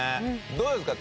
どうですか？